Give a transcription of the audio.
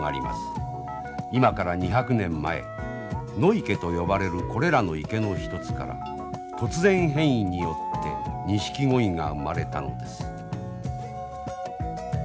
今から２００年前野池と呼ばれるこれらの池の一つから突然変異によってニシキゴイが生まれたのです。